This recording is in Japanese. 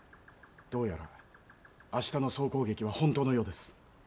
どうやら明日の総攻撃は本当のようです。